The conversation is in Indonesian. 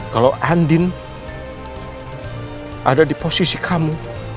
kalau andin ada di posisi kamu